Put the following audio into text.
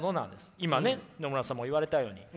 今ね野村さんも言われたように。